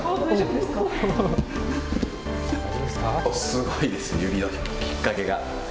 すごいです、指の引っかけが。